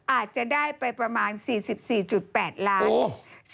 อาจจะได้ไปประมาณ๔๔๘ล้าน